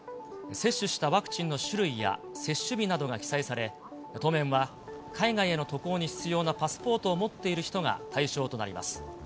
接種したワクチンの種類や接種日などが記載され、当面は海外への渡航に必要なパスポートを持っている人が対象となります。